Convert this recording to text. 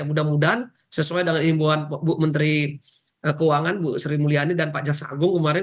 mudah mudahan sesuai dengan imbuan bu menteri keuangan bu sri mulyani dan pak jaksa agung kemarin